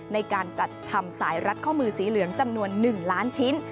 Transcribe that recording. ในการจัดทำสายรัดข้อมือสีเหลืองจำนวน๑ล้านชิ้น